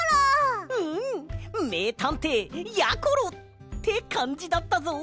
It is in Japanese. うんめいたんていやころ！ってかんじだったぞ！